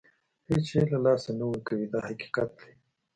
هېڅ شی له لاسه نه ورکوي دا حقیقت دی.